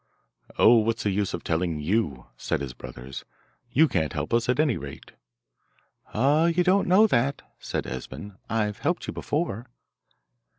'Oh, what's the use of telling you?' said his brothers. 'You can't help us, at any rate.' 'Ah, you don't know that,' said Esben; 'I've helped you before.